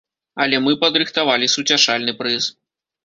Але мы падрыхтавалі суцяшальны прыз.